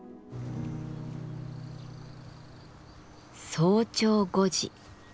早朝５時。